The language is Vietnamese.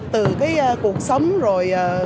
từ cái cuộc sống rồi